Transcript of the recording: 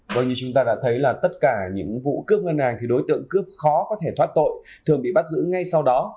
vâng như chúng ta đã thấy là tất cả những vụ cướp ngân hàng thì đối tượng cướp khó có thể thoát tội thường bị bắt giữ ngay sau đó